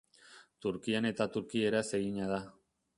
Turkian eta turkieraz egina da.